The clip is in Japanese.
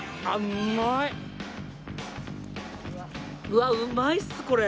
うわうまいっすこれ。